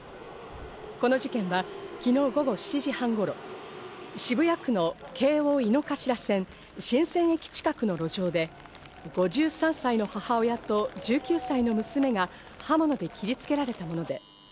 この事件は昨日午後７時半頃、渋谷区の京王井の頭線・神泉駅近くの路上で、５３歳の母親と１９歳の娘が刃物で切りつけられたものです。